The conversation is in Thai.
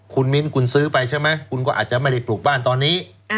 คุณมิ้นคุณซื้อไปใช่ไหมคุณก็อาจจะไม่ได้ปลูกบ้านตอนนี้